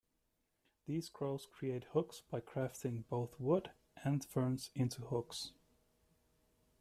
These crows create hooks by crafting both wood and ferns into hooks.